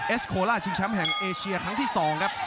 สโคล่าชิงแชมป์แห่งเอเชียครั้งที่๒ครับ